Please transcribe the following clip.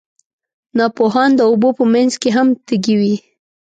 ناپوهان د اوبو په منځ کې هم تږي وي.